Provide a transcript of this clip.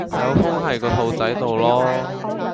有風係個肚仔到囉